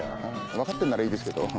わかってるならいいですけど。